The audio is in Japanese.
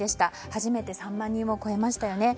初めて３万人を超えましたよね。